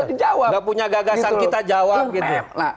tidak punya gagasan kita jawab